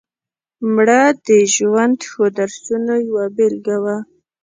مړه د ژوند ښو درسونو یوه بېلګه وه